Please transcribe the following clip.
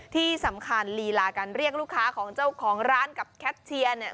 ที่สำคัญลีลาการเรียกลูกค้าของเจ้าของร้านกับแคทเชียร์เนี่ย